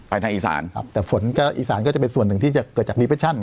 ไปในอีสานครับแต่ฝนก็อีสานก็จะเป็นส่วนหนึ่งที่จะเกิดจาก